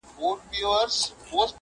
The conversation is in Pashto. بې خبره له جهانه٫